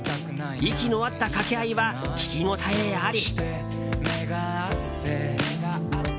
息の合った掛け合いは聴き応えあり！